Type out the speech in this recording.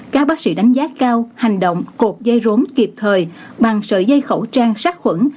các bác sĩ đánh giá cao hành động cột dây rốn kịp thời bằng sợi dây khẩu trang sát khuẩn